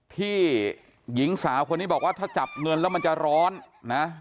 ที่หญิงสาวคนนี้บอกว่าถ้าจับเงินแล้วมันจะร้อนนะ